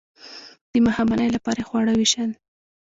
د ماښامنۍ لپاره یې خواړه ویشل.